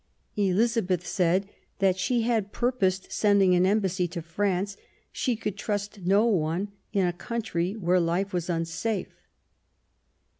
Elizabeth said that she had purposed sending an embassy to France : she could trust no one in a country where life was unsafe.